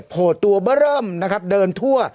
โผล่ตัวเบอร์เริ่มนะครับเดินทั่ว